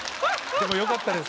でも良かったです